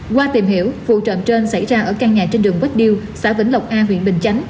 qua tìm hiểu vụ trộm trên xảy ra ở căn nhà trên đường vách điêu xã vĩnh lộc a huyện bình chánh